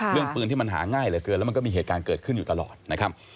เรื่องปืนที่มันหาง่ายเหลือเกินแล้วมันก็มีเหตุการณ์เกิดขึ้นอยู่ตลอดนะครับ